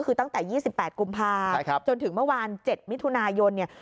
คือตั้งแต่๒๘กุมภาจนถึงเมื่อวาน๗มิถุนายนเนี่ย